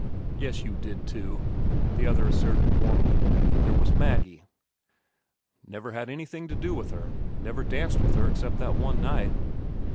"Yes, you did, too," the other asserted warmly. "There was Maggie." "Never had anything to do with her. Never danced with her except that one night."